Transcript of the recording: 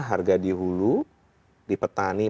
harga dihulu di peternak